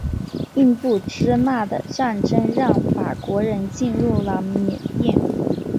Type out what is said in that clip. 印度支那的战争让法国人进入了缅甸。